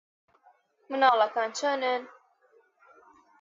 منداڵەکان چۆنن؟